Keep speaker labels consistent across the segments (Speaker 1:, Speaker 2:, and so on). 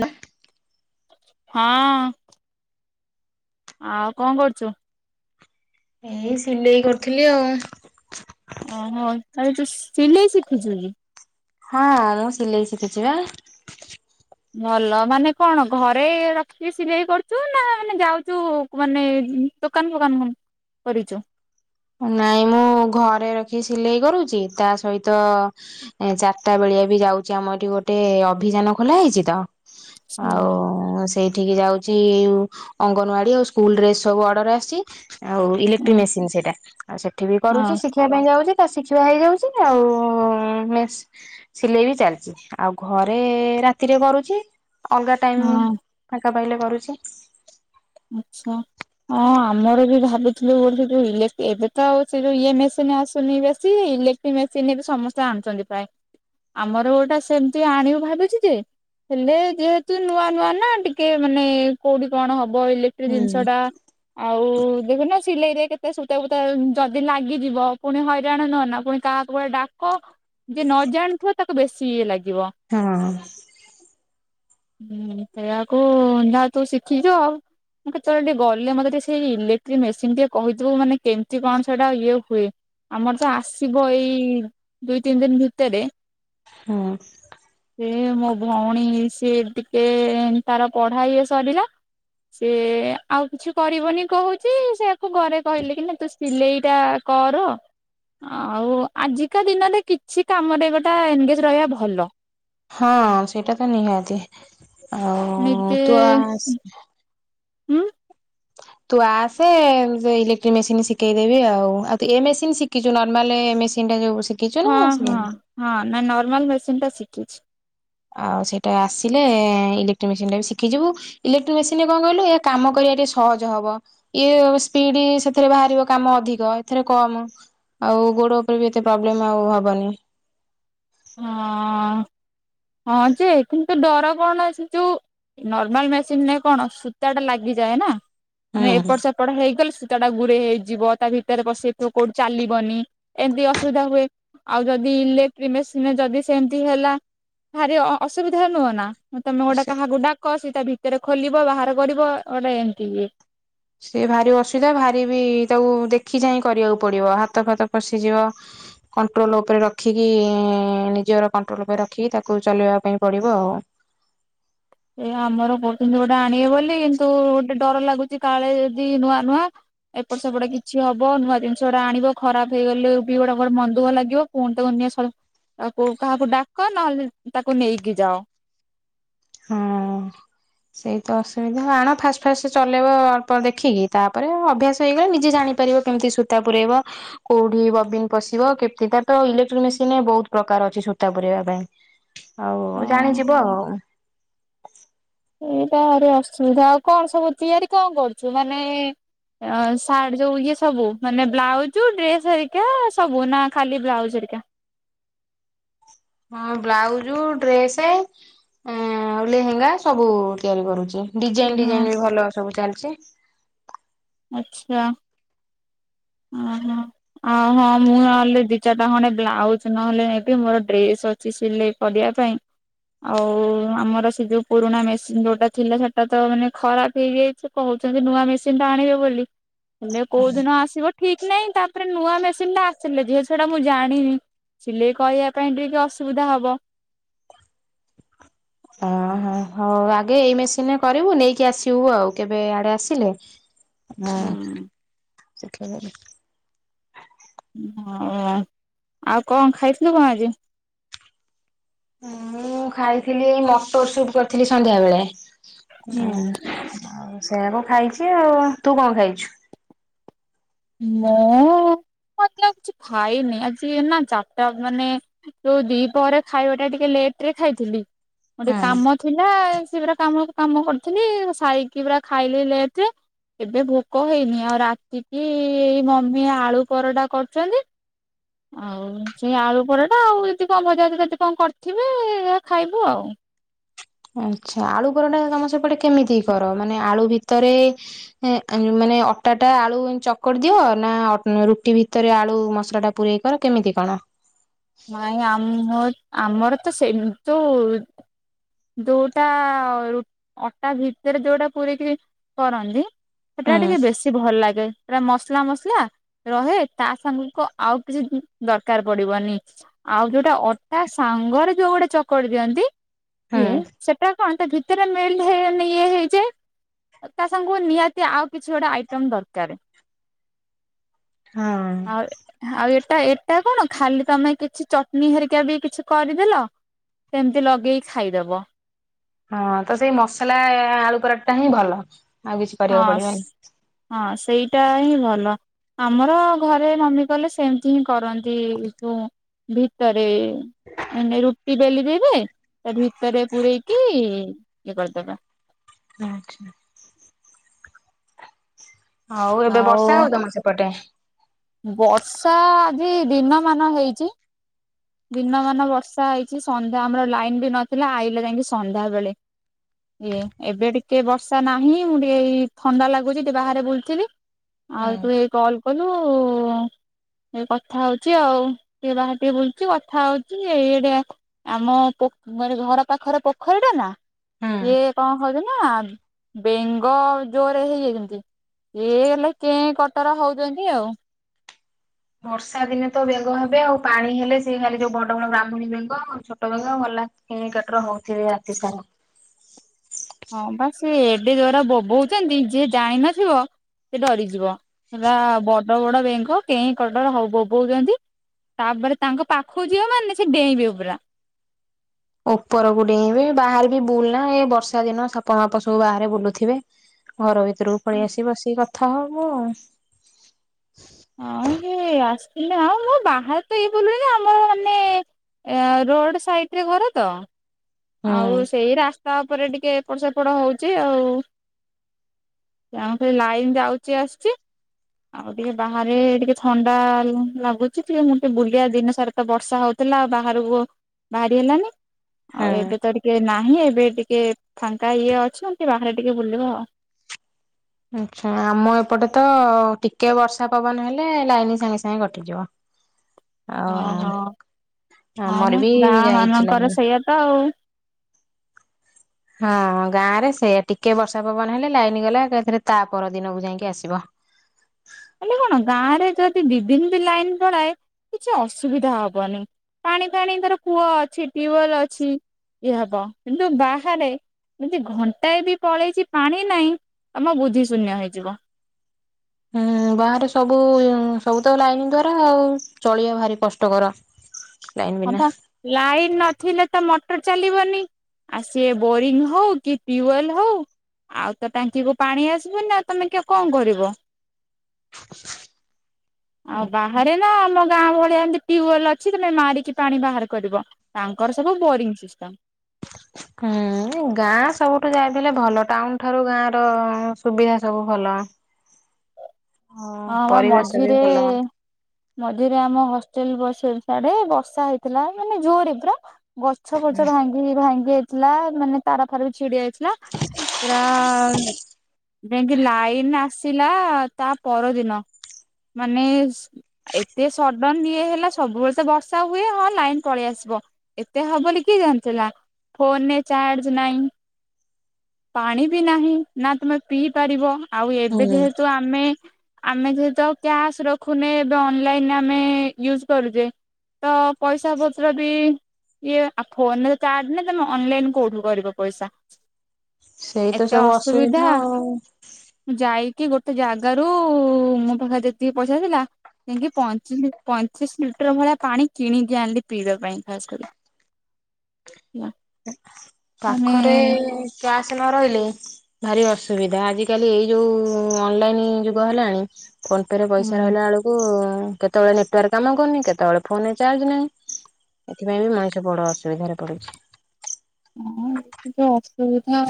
Speaker 1: ନା।
Speaker 2: ହଁ। ଆଉ କଣ କରୁଛୁ?
Speaker 1: ଏଇ ସିଲେଇ କରୁଥିଲି ଆଉ।
Speaker 2: ଓହୋ ତାହେଲେ ତୁ ସିଲେଇ ଶିଖୁଛୁ କି?
Speaker 1: ହଁ ମୁଁ ସିଲେଇ ଶିଖିଛି ବା।
Speaker 2: ଭଲ ମାନେ କଣ ଘରେ ରଖିକି ସିଲେଇ କରୁଛୁ ନା ମାନେ ଯାଉଛୁ ମାନେ ଉଁ ଦୋକାନ ଫୋକାନ କଣ କରିଛୁ?
Speaker 1: ନାଇଁ ମୁଁ ଘରେ ରଖି ସିଲେଇ କରୁଛି ତା ସହିତ ଏ ଚାରିଟା ବେଳିଆ ବି ଯାଉଛି ଆମ ଏଠି ଗୋଟେ ଅଭିଯାନ ଖୋଲା ହେଇଛି ତ।
Speaker 2: ହଁ
Speaker 1: ଆଉ ସେଇଠିକି ଯାଉ କି ଇଉ ଅଙ୍ଗନୱାଡି ଆଉ ସ୍କୁଲ ଡ୍ରେସ ସବୁ ଅର୍ଡର ଆସିଛି ଆଉ ଇଲେକ୍ଟ୍ରିକ
Speaker 2: ହଁ
Speaker 1: ମେସିନ ସେଇଟା। ଆଉ ସେଠି ବି କରୁଛି ଶିଖିଆ ପାଇଁ ଯା ଯାଉଚି ତା ଶଖିବା ହେଇଯାଉଛି ଆଉ ଉଁ ମେସ ସିଲେଇ ବି ଚାଲିଚି ଆଉ ଘରେ ଏ ରାତିରେ କରୁଛି ଅଲଗା ଟାଇମ
Speaker 2: ଆଚ୍ଛା।
Speaker 1: ଫାଙ୍କା ପାଇଲେ କରୁଛି।
Speaker 2: ଆଛା। ହଁ ଆମର ବି ଭାବିଥିଲୁ ଗୋଟେ ଯୋଉ ଇଲେକ୍ଟ୍ରି ଏବେ ତ ଆଉ ସିଏ ଯୋଉ ଇଏ ମେସିନ ଆସୁନି ବେଶୀ ଇଲେଟ୍ରିକ ମେସିନରେ ଏବେ ସମସ୍ତେ ଆଣୁଛନ୍ତି ପ୍ରାୟ ଆମର ଗୋଟେ ସେମତି ଆଣିବୁ ଭାବୁଛି ଯେ ହେଲେ ଯେହେତୁ ନୂଆ ନୂଆ ନା ଟିକେ ମାନେ କୋଉଠି କଣ ହବ ରଇଲେକ୍ଟ୍ରିକ
Speaker 1: ହୁଁ
Speaker 2: ଜିନିଷଟା ଆଉ ଦେଖୁନ ସିଲେଇରେ କେତେ ସୂତା ଫୁତା ଯଦି ଲାଗିଯିବ ପୁଣି ହଇରାଣ ନୁହଁ ନା ପୁଣି କାହାକୁ ଗୋଟେ ଡାକ ଯେ ନ ଜାଣୁଥିବ ତାକୁ ବେଶୀ ଇଏ ଲାଗ୍
Speaker 1: ହଁ।
Speaker 2: ହୁଁ ସେଇଆକୁ ଅଧା ତୁ ଶିଖିଛୁ ଆଉ। ମୁଁ କେତେବେଳେ ଟିକେ ଗଲେ ମତେ ଟିକେ ସେଇ ଇଲେକ୍ଟ୍ରିକ ମେସିନ ଟିକେ କହିଥିବୁ ମାନେ କେମିତି କଣ ସେଇଟା ଇଏ ହୁଏ। ଆମର ତ ଆସିବ ଏଇ ଦୁଇ ତିନି ଦିନ ଭିତରେ
Speaker 1: ହୁଁ ।
Speaker 2: ଏ ମୋ ଭଉଣୀ ସିଏ ଟିକେ ତାର ପଢା ଇଏ ସରିଲା ସେ ଆଉ କିଛି କରିବନି କହୁଛି ସେୟାକୁ ଘରେ କହିଲେ କି ନା ତୁ ସିଲେଇଟା କର ରଅ ଆଉ ଆଜିକା ଦିନରେ କିଛି କାମରେ ଗୋଟେ ଏନଗେଜ ରହିବା ଭଲ।
Speaker 1: ହଁ ସେଇଟା ତ ନିହାତି ଆଉ
Speaker 2: ନିଜେ
Speaker 1: ତୁ ଆସ
Speaker 2: ହୁଁ
Speaker 1: ତୁ ଆସେ ଯୋଉ ଇଲେକ୍ଟ୍ରିକ ମେସିନି ଶିକେଇଦେବି ଆଉ ଆଉ ତୁ ଏ ମେସିନ୍ ଶିକିଛୁ ନର୍ମାଲେ ମେସିନଟା ଯୋଉ ଶିଖିଛୁ
Speaker 2: ହଁ
Speaker 1: ନା
Speaker 2: ହଁ
Speaker 1: ଶିଖିନୁ?
Speaker 2: ହଁ ନାଇଁ ନର୍ମାଲ ମେସିନ୍ ଟା ଶିକିଛି।
Speaker 1: ଆଉ ସେଇଟା ଆସିଲେ ଇଲେକ୍ଟ୍ରିକ ମେସିନଟା ବି ଶିଖିଯିବୁ ଇଲେକ୍ଟ୍ରିକ ମେସିନରେ କଣ କହିଲୁ ଏଇଆ କାମ କ ରିବା ଟିକେ ସହଜ ହବ ଇଏ ସ୍ପିଡ ସେଥିରେ ବାହାରିବ କାମ ଅଧିକ ଏଥିରେ କମ। ଆଉ ଗୋଡ ଉପରେ ବି ଏତେ ପ୍ରୋବ୍ଲେମ ଆଉ ହବନି।
Speaker 2: ହଁ ହଁ ଯେ କି ନ୍ତୁ ଡର କଣ ଅଛି ଯୋଉ ନର୍ମାଲ ମେସିନରେ କଣ ସୂତା ଟା ଲାଗିଯାଏ ନା! ମାନେ
Speaker 1: ହୁଁ
Speaker 2: ଏପଟ ସେପଟ ହେଇଗଲେ ସୂ ତାଟା ଗୁରେଇ ହେଇଯିବ ତା ଭିତରେ ପଶିଯାଇଥିବ କୋଉଠି ଚାଲିବନି ଏମିତି ଅସୁବିଧା ହୁଏ ଆଉ ଯଦି ଇଲେକ୍ଟ୍ରି ମେସିନରେ ଯଦି ସେମିତି ହେଲା ଭାରି ଅସୁବିଧା ନୁହଁ ନା ମୁଁ ତମେ ଗୋଟେ
Speaker 1: ସେ
Speaker 2: କାହାକୁ ଡାକ ଶ୍ ତା ଭିତରେ ଖୋଲିବ ବାହାର କରିବ ଗୋଟେ ଏମିତି କି।
Speaker 1: ସେ ଭାରି ଅସୁବିଧା ଭାରି ବି ତାକୁ ଦେଖି ଚାହିଁ କରିବାକୁ ପଡିବ ହାତ ଫାତ ପଶିଯିବ। କଣ୍ଟ୍ରୋଲ ଉପରେ ରଖିକି ଏଁ ନିଜର କଣ୍ଟ୍ରୋଲ ଉପରେ ରଖିକି ତାକୁ ଚଲେଇବା ପାଇଁ ପଡିବ ଆଉ।
Speaker 2: [inaudible] ଏ ଆମର କଉଚନ୍ତି ଗୋଟେ ଆଣିବେ ବୋଲି କିନ୍ତୁ ଗୋଟେ ଡର ଲାଗୁଛି କାଳେ ଯଦି ନୂଆ ନୂଆ ଏପଟ ସେପଟ କିଛି ହବ ନୂଆ ଜିନିଷ ଗୋଟେ ଆଣିବ ଖରାପ ହେଇଗଲେ ବି ଗୋଟେ ମନ ଦୁଃଖ ଲାଗିବ ପୁଣି ତାକୁ [unintelligible] ଆଉ କୋଉ କାହାକୁ ଡାକ ନହେଲେ ତାକୁ ନେଇକି ଯାଅ।
Speaker 1: ହଁ। ସେଇ ତ ଅସୁବିଧା ଆଣ ଫାଷ୍ଟ ଫାଷ୍ଟ ଚଲେଇବ ଅଳ୍ପ ଦେଖିକି ତାପରେ ଅଭ୍ୟାସ ହେଇଗଲେ ନିଜେ ଜାଣ ପାରିବ କେମିତି ସୁତା ପୁରେଇବ କୋଉଠି ବବିନ ପଶିବ କେମିତି ତାର ତ ଇଲେକଟ୍ରିକ ମେସିନରେ ବହୁତ ପ୍ରକାର। ଅଛି ସୂତା ପୁରେଇବା ପାଇଁ ଆଉ
Speaker 2: ହଁ
Speaker 1: ଜାଣିଯିବ ଆଉ।
Speaker 2: ଏଇଟ ଆହୁରି ଅସୁବିଧା ଆଉ କଣ ସବୁ ତିଆରି କଣ କରୁଛୁ ମାନେ ସାଟ ଯୋଉ ଇଏ ସବୁ ମାନେ ବ୍ଲାଉଜ୍ ଡ୍ରେସ ହେରିକା ସବୁ ନା ଖାଲି ବ୍ଲାଉଜ୍ ହେରିକା। [inaudible]
Speaker 1: ହଁ ବ୍ଲାଉଜ ଡ୍ରେସ୍ ଲେହେଙ୍ଗା ସବୁ ତିଆରି କରୁଛି। ଡିଜାଇନ
Speaker 2: ହଁ
Speaker 1: ଡିଜାଇନ ବି ଭଲ ସବୁ ଚାଲିଛି।
Speaker 2: ଆଛା। ଓହୋ ଆଉ ହଁ ମୁଁ ନହଲେ ଦି ଚାରିଟା ଖଣ୍ଡେ ବ୍ଲାଉଜ ନହେଲେ ନେବି ମୋର ଡ୍ରେସ ନଉଛି ସିଲେଇ କରିବା ପାଇଁ ଆଉ ଆମର ସେ ଯୋଉ ପୁରୁଣା ମେସିନ ଯୋଉଟା ଥିଲା ସେଟା ତ ମାନେ ଖରାପ ହେଇଯାଇଛି କହୁ ନୂଆ ମେସିନ୍ ଟା ଆଣିବେ ବୋଲି ହେଲେ କୋଉଦିନ ଆସିବ ଠିକ ନାହିଁ ତାପରେ ନୂଆ ମେସିନଟା ଆସିଲେ ଝିଅ ସେଟା ମୁଁ ଜାଣିନି। ସିଲେଇ କରିଆ ପାଇଁ ଟିକେେ ଅସୁବିଧା ହବ।
Speaker 1: ଓହ ହଉ ଆଗେ ଏଇ ମେସିନରେ କରିବୁ ନେଇକି ଆସିବୁ ଆଉ କେବେ ଆଡେ ଆସିଲେ ହଁ ସେଖ
Speaker 2: ହଁ ଆଉ କଣ ଖାଇଥିଲୁ କଣ ଆଜି?
Speaker 1: ମୁଁ ଖାଇଥିଲି ଏଇ ମଟର ସୁପ କରିଥିଲି ସନ୍ଧ୍ୟା ବେଳେ।
Speaker 2: ହୁଁ।
Speaker 1: ହ ସେଆ କଣ ଖାଇଛି ଆଉ ତୁ କଣ ଖାଇଛୁ?
Speaker 2: ମୁଁ। ମତ କିଛି ଖାଇନି ଆଜି ନା ଚାରିଟା ମାନେ ଯୋଉ ଦି ପହରେ ଖାଇବା ଟା ଟିକେ ପ୍ଲେଟରେ ଖାଇଥିଲି ଗୋଟେ
Speaker 1: ହଁ
Speaker 2: କାମ ଥିଲା ସେ ପୁରା କାମ କାମ କରିଥିଲି ସାରିକି ପୁରା ଖାଇଲି ଲେଟ୍ ରେ ଏବେ ଭୋକ ହେଇନି ଆଉ ରାତି କିି ଏଇ ମମି ଆଳୁ ପରଟା କରୁଛନ୍ତି ଆଉ ସେଇ ଆଳୁ ପରଟା ଆଉ ଯଦି କଣ ଭଜା ଯଦି କଣ କରିଥିବେ ଖାଇବୁ ଆଉ।
Speaker 1: ଆଛା ଆଳୁ ପରଟା ତମ ସେପଟେ କେମିତି କର ମାନେ ଆଳୁ ଭିତରେ ମାନେ ଅଟାଟା ଆଳୁ ଚକଡ଼ି ଦିଅ ନା ରୁଟି ଭିତରେ ଆଳୁ ମସଲାଟା ପୁରେଇ କର କେମିତି କଣ? ା
Speaker 2: ନାଇଁ ଆମ ଆମର ତ ସେମ ଯୋଉ ଯୋଉଟା ଅଟା ଭିତରେ ଯୋଉଟା ପୁରେଇକି କରନ୍ତି। ସେଟା
Speaker 1: ହୁଁ।
Speaker 2: ଟିକେ ବେଶୀ ଭଲ ଲାଗେ। ପୁରା ମସଲା ମସଲା ରହେ ତା ସାଙ୍ଗକୁ ଆଉ କିଛି ଦରକାର ପଡିବନି। ଆଉ ଯୋଉଟା ଅଟା ସାଙ୍ଗରେ ଯୋଉ ଗୋଟେ ଚକଡି ଦିଅନ୍ତି
Speaker 1: ହୁଁ
Speaker 2: ଇଏ ସେଟା କଣ ଭିତରେ ମେଲଡ଼ ହେଇ ଇଏ ହେଇଯାଏ ତା ସାଙ୍ଗକୁ ନିହାତି ଆଉ କିଛି ଗୋଟେ ଆଇଟମ୍ ଦରକାର।
Speaker 1: ହଁ
Speaker 2: ଆଉ ଆଉ ଏ ଏଟା ଏଟା କଣ ଖାଲି ତମେ କିଛି ଚଟଣି ହେରିକା ବି କିଛି କରିଦେଲ ସେମିତି ଲଗେଇ ଖାଇଦବ।
Speaker 1: ହଁ ତ ସେଇ ମସଲା ଆଳୁ ପରଟା ହିଁ ଭଲ। ଆଉ କିଛି
Speaker 2: ହଁ
Speaker 1: କରିବାକୁ ପଡିବନି।
Speaker 2: ହଁ ସେଇଟା ହିଁ ଭଲ। ଆମର ଘରେ ମମି କଲେ ସେମିତି ହିଁ କରନ୍ତି ଏ ଯୋ ଭିତରେ [unintelligible] ରୁଟି ବେଲି ଦେବେ ତା ଭିତରେ ପୁରେଇକି ଇଏ କରିଦେବେ ।
Speaker 1: ଆଚ୍ଛା। ହଉ ଏବେ
Speaker 2: ଆଉ
Speaker 1: ବର୍ଷା ହଉ ତମ ସେପଟେ?
Speaker 2: ବର୍ଷା ଆଜି ଦିନମାନ ହେଇଛି। ଦିନମାନ ବର୍ଷା ହେଇଛି ସନ୍ଧ୍ୟା ଆମର ଲାଇନ ବି ନଥିଲା ଆଇଲେ ଯାଇକି ସନ୍ଧ୍ୟା ବେଳେ। ଇଏ ଏବେ ଟିକେ ବର୍ଷା ନାହିଁ ମୁଁ ଟିକେ ଥଣ୍ଡା ଲାଗୁଛି ଟିକେ ବାହାରେ ବୁଲୁଥିଲି।
Speaker 1: ହୁଁ।
Speaker 2: ଆଉ ତୁ ଏଇ କ କହିଲୁ ଏ କଥା ହଉଛି ଆଉ ଟିକେ ବାହାରେ ଟିକିଏ ବୁଲ ଚି କଥା ହଉଛି। ଏଇ ଆଡେ ଆ ଆମ ପୋ ଘର ପାଖରେ ପୋଖରୀଟା ନା
Speaker 1: ହୁଁ।
Speaker 2: ଇଏ କଣ ହଉଛି ନା ବେଙ୍ଗ ଜୋରରେ ହେଇଯାଇଚି। ଏ ହେଲେ କେ କଟର ହଉଛନ୍ତି ଆଉ।
Speaker 1: ବର୍ଷା ଦିନେ ତ ବେଙ୍ଗ ହେବେ ଆଉ ପାଣି ହେଲେ ସେ ଖାଲି ଯୋଉ ବଡ ବଡ ବ୍ରାହ୍ମଣୀ ବେଙ୍ଗ ଆଉ ଛୋଟ ବେଙ୍ଗ ଭଲ କେ କଟର ହଉଥିବେ ରାତି ସାରା
Speaker 2: ହଁ ବା ସେ ଏବେ ଜରା ବୋବଉଛନ୍ତି ଯିଏ ଜାଣି ନଥିବ ସେ ଡରିଯିବ ହେଲା ବଡ ବଡ ବେଙ୍ଗ କେଁ କଟର ହ ବୋବୋଉଛନ୍ତି ତାପରେ ତାଙ୍କ ପାଖକୁ ଯିବ ମାନେ ସେ ଡେଇଁବି ପରା
Speaker 1: ଉପରକୁ ଡେଇଁବେ ବାହାରେ ବି ବୁଲନା ଏ ବର୍ଷା ଦିନ ସାପ ଫାପ ସବୁ ବାହାରେ ବୁଲୁଥିବେ। ଘର ଭିତରକୁ ପଳେଇ ଆସି ବସିକି କଥା ହବୁ ଆଉ।
Speaker 2: ହଁ ଇଏ ଆସିଥିଲେ ଆଉ ମୁଁ ବାହାରେ ତ ଇ ବୁଲୁ ଆମର ମାନେ ଏ ରୋଡ ସାଇଡ ରେ ଘର ତ
Speaker 1: ହୁଁ
Speaker 2: ଆଉ ସେଇ ରାସ୍ ତାପରେ ଟିକେ ଏପଟ ସେପଡ ହଉଛି ଆଉ। ଯେଉଁଠି ଲାଇନ ଯାଉଛି ଆସୁଛି ଆଉ ଟିକେ ବାହାରେ ଟିକେ ଥଣ୍ଡା ଲା ଲାଗୁଛି ଟିକେ ମୁଁ ଟିକେ ବୁଲିବା ଦିନ ସାରା ତ ବର୍ଷା ହଉଥା ଥିଲା ବାହାରକୁ ବାହାରି ହେଲାନି
Speaker 1: ହୁଁ।
Speaker 2: ଆଉ ଏବେ ତ ଟିକେ ନା ହିଁ ଏବେ ଟିକେ ଫାଙ୍କା ଇଏ ଅଛନ୍ତି। ବାହାରେ ଟିକେ ବୁଲିବା ଆଉ।
Speaker 1: ଆଛା ଆମ ଏପଟେ ତ ଟିକେ ବର୍ଷା ପବନ ହେଲେ ଲାଇନ ସାଙ୍ଗେ ସାଙ୍ଗେ କଟିଯିବ।
Speaker 2: ହଁ
Speaker 1: ଆଉ
Speaker 2: ହଁ
Speaker 1: ଆମର
Speaker 2: ହମ
Speaker 1: ବି
Speaker 2: ଗାଁ
Speaker 1: ଯାଇଛି
Speaker 2: ମାନଙ୍କରେ
Speaker 1: ଲାଇନି।
Speaker 2: ସେଇଆ ତ ଆଉ।
Speaker 1: ହଁ ଗାଁରେ ସେଇଆ ଟିକେ ବର୍ଷା ପବନ ହେଲେ ଲାଇନ ଗଲା ଏଥିରେ ତାପର ଦିନକୁ ଯାଇକି ଆସିବ।
Speaker 2: ହେଲେ କଣ ଗାଁ ରେ ଯଦି ଦି ଦିନ ବି ଲାଇନ ପଳାଏ କିଛି ଅସୁବିଧା ହବନି। ପାଣି ଫାଣି ଧର କୂଅ ଅଛି ଟ୍ୟୁବେଲ ଅଛି ଇଏ ହବ କିନ୍ତୁ ବାହାରେ ଯଦି ଘଣ୍ଟାଏ ବି ପଳେଇଛି ପାଣି ନାହିଁ ଆମ ବୁଦ୍ଧି ଶୂନ୍ୟ ହେଇଯିବ।
Speaker 1: ଉଁ ବାହାରେ ସବୁ ସବୁ ତ ଲାଇନ ଦ୍ଵାରା ଆଉ ଚଲିବା ଭାରି କଷ୍ଟକର। ଲାଇନ
Speaker 2: ହଁ
Speaker 1: ବିନା
Speaker 2: ପା ଲାଇନ ନ ଥିଲେ ତ ମଟର ଚାଲିବନି ଆଉ ସିଏ ବୋରିଙ୍ଗ ହଉ କି ଟିୱେଲ ହଉ ଆଉ ତ ଟାଙ୍କି କୁ ପାଣି ଆସିବନି ଆଉ ତମେ କିଏ କଣ କରିବ?
Speaker 1: [unintelligible]
Speaker 2: ଆଉ ବାହାରେ ନା ଆମ ଗାଁ ଭଳିଆ ଏମିତି ଟ୍ୟୁବଲ ଅଛି ତମେ ମାରିକି ପାଣି ବାହାର କରିବ ତାଙ୍କର ସବୁ ବୋରିଙ୍ଗ ସିଷ୍ଟମ।
Speaker 1: ହୁଁ ଗାଁ ସବୁଠୁ ଯାଇଥିଲେ ଭଲ ଟାଉନ ଠାରୁ ଗାଁ ର ସୁବିଧା ସବୁ ଭଲ।
Speaker 2: ହୁଁ।
Speaker 1: ହଁ
Speaker 2: ହଁବା
Speaker 1: ପରିବେଶ ବି
Speaker 2: ମଝିରେ
Speaker 1: ଭଲ
Speaker 2: ମଝିରେ ଆମ ହଷ୍ଟେଲ ବସେ ସିଆଡେ ବର୍ଷା ହେଇଥିଲା ମାନେ ଜୋରରେ ପୁରା ଗଛ ଫଛ ଭାଙ୍ଗି ଭାଙ୍ଗି ଥିଲା ମାନେ ତାର ଫାର ବି ଛିଡି ଯାଇ ହେଲା ପୁରା ଯାଇକି ଲାଇନ ଆସିଲା ତା ପରଦିନ। ମାନେ ଏତେ ସଡନ ଇଏ ହେଲା ସବୁବେଳେ ତ ବର୍ଷା ହୁଏ ହଁ ଲାଇନ ପଳେଇ ଆସେ ଵ ଏତେ ହବ ବୋଲି କିଏ ଜାଣିଥିଲା। ଫୋନରେ ଚାର୍ଜ ନାଇ ପାଣି ବି ନାହିଁ ନା ତମେ ପିଇ ପାରିବ ଆଉ ଏବେ
Speaker 1: ହୁଁ
Speaker 2: ଯେହେତୁ ଆମେ ଆମେ ଯେହେତୁ ଆଉ କ୍ୟାସ ରଖୁନେ ଏବେ ଅନଲାଇନ ଆମେ ୟୁଜ କରୁଛେ ତ ପଇସା ପତ୍ର ବି ଇଏ ଆଉ ଫୋନରେ ଚାର୍ଡ ନା ତମେ ଅନଲାଇନ କୋଉଠୁ କରିବ ପଇସା।
Speaker 1: ସେଇ ତ
Speaker 2: ଏତେ
Speaker 1: ସବୁ
Speaker 2: ଅସୁବିଧା
Speaker 1: ଆଉ
Speaker 2: ମୁ ଯାଇକି ଗୋଟେ ଜାଗାରୁ ଉ ମୋ ପାଖରେ ଯେତିକି ପଇସା ଥିଲା। ଯାଇଁକି ପଞ୍ଚିଲି ପଞ୍ଚିଶ ଲିଟର ଭଳିଆ ପାଣି କିଣିକି ଆଣିଲି ପି ଇବା ପାଇଁ ଖାସ୍ କରି। ମାନେ
Speaker 1: ପାଖରେ କା ଶ ନ ରହିଲେ ଭାରି ଅସୁବିଧା ଆଜିିକାଲି ଏଇ ଯୋଉ ଉଁ ଅନଲାଇନି ଯୁଗ ହେଲାଣି। ଫୋନ ପେ ରେ ପଇସା
Speaker 2: ହଁ
Speaker 1: ରହିଲା ବେଳକୁ କେତେବେଳେ ନେଟୱାର୍କ କାମ କରୁନି କେତେବେଳେ ଫୋନରେ ଚାର୍ଜ ନାହିଁ। ଏଥିପାଇଁ ବି ମଣିଷ ବଡ ଅସୁବିଧାରେ ପଡୁଛି।
Speaker 2: ହଁ ଏତିକି ଅସୁବିଧା।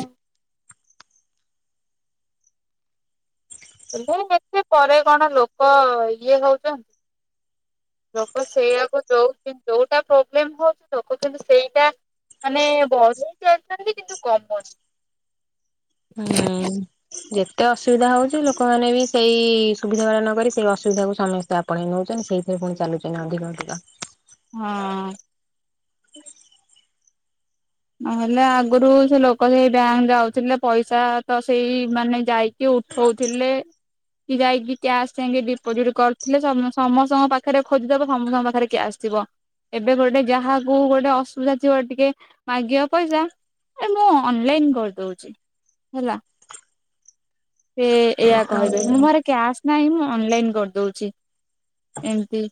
Speaker 2: ହେଲେ ଏତେ ପରେ କଣ ଲୋକ ଇଏ ହଉଛନ୍ତି। ଲୋକ ସେଇଆକୁ ଯୋଉଟି ଯୋଉଟା ପ୍ରୋବ୍ଲେମ ହଉଛି ଲୋକ କିନ୍ତୁ ସେଇଟା। ମାନେ [unintelligible] କିନ୍ତୁ କମ ଅଛି।
Speaker 1: ଏତେ ଅସୁବିଧା ହଉଛି ଲୋକମାନେ ବି ସେଇ ସୁବିଧା ଗୁଡ଼ା ନ କରି ସେଇ ଅସୁବିଧାକୁ ସମସ୍ତେ ଆପଣେଇ ନେଉଛନ୍ତି ସେଇଥି ପୁଣି ଚାଲୁଛି ନା ଅଧିକ ଅଧିକ।
Speaker 2: ହଁ।
Speaker 1: ହ [inaudible]
Speaker 2: ନହେଲେ ଆଗରୁ ସେ ଲୋକ ସେଇ ବ୍ୟାଙ୍କ ଯାଉଥିଲେ ପଇସା ତ ସେଇ ମାନେ ଯାଇକି ଉଠଉ ଥିଲେ। କି ଯାଇକି କ୍ୟାସ ଯାଇଁକି ଡିପୋଜିଟ କରୁଥିଲେ ସମ୍ ସମସ୍ତଙ୍କ ପାଖରେ ଖୋଜିଦବ ସମସ୍ତଙ୍କ ପାଖରେ କ୍ୟାସ୍ ଥିବ ଏବେ ଗୋଟେ ଯାହାକୁ ଗୋଟେ ଅସୁବିଧା ଥିବ ଟିକେ। ମାଗିବ ପଇସା ଏ ମୁଁ ଅନଲାଇନ କରିଦଉଛି ହେଲା। ସେ ଏଇଆ
Speaker 1: ତ
Speaker 2: କହିବେ ମୁଁ ମୋ ପାଖରେ କ୍ୟାସ ନାହିଁ ମୁଁ ଅନଲାଇନ୍ କରିଦଉଛି ଏମିତି।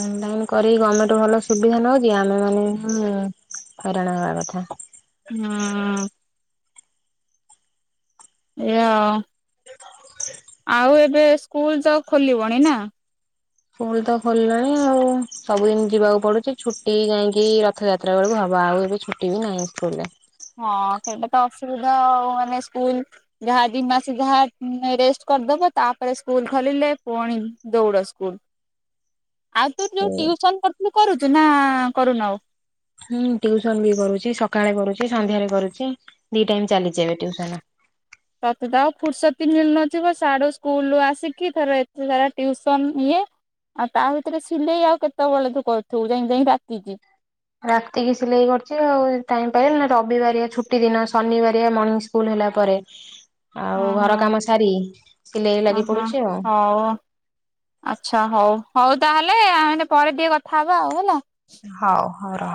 Speaker 1: ଅନଲାଇନ କରିକି ଗମେଣ୍ଟ ଭଲ ସୁବିଧା ନଉଛି ଆମେ ମାନେ ହୁଁ। ହଇରାଣ ହବା କଥା।
Speaker 2: ହଁ ଏୟା ଆଉ। ଆଉ ଏବେ ସ୍କୁଲ ଯାକ ଖୋଲିବଣି ନା?
Speaker 1: ସ୍କୁଲ ତ ଖୋଲିଲାଣି ଆଉ ସବୁଦିନ ଯିବାକୁ ପଡୁଛି ଛୁଟି ଯାଇଁକି ରଥଯାତ୍ରା ବେଳକୁ ହ ଆଉ ଏବେ ଛୁଟି ବି ନାହିଁ ସ୍କୁଲ ରେ।
Speaker 2: ହଁ ସେଇଟା ତ ଅସୁବିଧା ଆଉ ମାନେ ସ୍କୁଲ ଯାହା ଦି ମାସ ଯାହା ଉଁ ରେଶ୍ଟ କରିଦବ ତାପରେ ସ୍କୁଲ ଖୋଲିଲେ ପୁଣି ଦୌଡ଼ ସ୍କୁଲ। ଆଉ ତୁ ଯୋଉ ଟିଉସନ କରୁଥିଲୁ କରୁଛୁ ନା କରୁନୁ ଆଉ?
Speaker 1: ହୁଁ ଟିଉସନ ବି କରୁଛି ସକାଳେ କରୁଛି ସନ୍ଧ୍ୟାରେ କରୁଛି ଦି ଟାଇମ ଚାଲିଛିି ଏବେ ଟିଉ ହେଲା।
Speaker 2: ତତେ ତ ଆଉ ଫୁୁରସତ ବି ମିଳୁନଥିବ ସାଡୁ ସ୍କୁଲରୁ ଆସିକି ଫେରେ ଏତେ ସାରା ଟିଉସନ ଇଏ ଆଉ ତା ଭିତରେ ସିଲେଇ ଆଉ କେତେବେଳେ ତୁ କରୁଥିବୁ ଯାଇଁ ଯାଇଁ ରାତିକି।
Speaker 1: ରାତିକି ସିଲେଇ କରୁଛି ଆଉ ଟାଇମ ପାଇଲେ ନହେଲେ ରବିବାରିଆ ଛୁଟି ଦିନ ଶନିବାରିଆ ମର୍ଣିଙ୍ଗ ସ୍କୁଲ ହେ ହେଲା ପରେ। ଆଉ
Speaker 2: ହଁ
Speaker 1: ଘର
Speaker 2: ହଁ।
Speaker 1: କାମ ସାରି ସିଲେଇରେ ଲାଗି
Speaker 2: ଓହୋ
Speaker 1: ପଡୁଛି ଆଉ।
Speaker 2: ହଉ ଆଚ୍ଛା ହଉ ହଉ ତାହେଲେ ଆମେ ପରେ ଟିକେ କଥା ହବା ଆଉ ହେଲା
Speaker 1: ହଉ ହଉ ରହ।